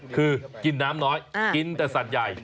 คือกินน้ำน้อยกินแต่สัตว์ใหญ่